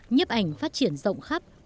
nhiệm ảnh phát triển rộng khắp